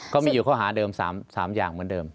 ก็มีอยู่ข้อหาเดิม๓อย่างเหมือนเดิม